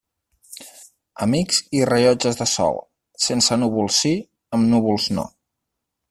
Amics i rellotges de sol, sense núvols sí, amb núvols no.